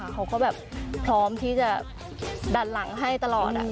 เขาก็แบบพร้อมที่จะดันหลังให้ตลอด